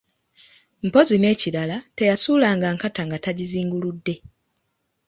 Mpozzi n'ekirala, teyasuulanga nkata nga tagizinguludde.